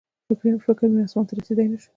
فکر مې اسمان ته رسېدی نه شو